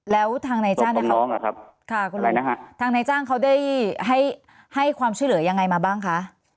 แล้วทางนายจ้างเขาได้ให้ความช่วยเหลือยังไงมาบ้างคะ